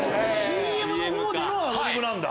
ＣＭの方でのアドリブなんだ。